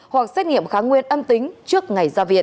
hoặc xét nghiệm kháng nguyên âm tính trước ngày ra viện